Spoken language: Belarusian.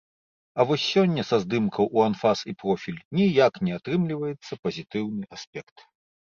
А вось сёння са здымкаў у анфас і профіль ніяк не атрымліваецца пазітыўны аспект.